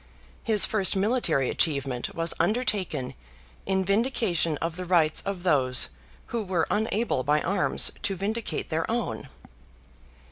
His first military achievement was undertaken in vindication of the rights of those who were unable by arms to vindicate their own.